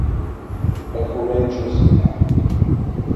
A courageous act.